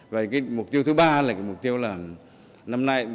và cái mục tiêu thứ ba là cái mục tiêu là năm nay